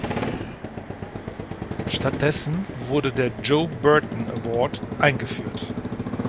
Stattdessen wurde der Joe Burton Award eingeführt.